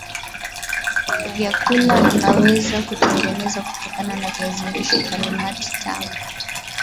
vyakula unavyoweza kutengeneza kutokana na viazi lishe Kalimati tambi